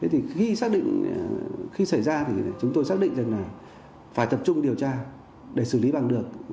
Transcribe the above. thế thì khi xảy ra chúng tôi xác định rằng là phải tập trung điều tra để xử lý bằng được